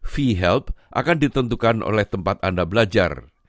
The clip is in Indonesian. v help akan ditentukan oleh tempat anda belajar